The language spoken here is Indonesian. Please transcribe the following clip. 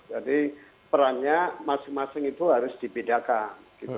jadi perannya masing masing itu harus dibedakan